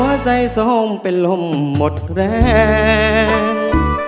คนหัวใจทรงเป็นลมหมดแรง